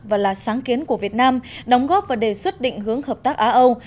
và là sáng kiến của việt nam đóng góp và đề xuất định hướng hợp tác á âu